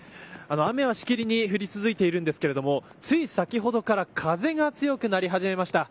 雨がしきりに降り続いていますがつい先ほどから風が強くなり始めました。